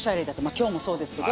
今日もそうですけど。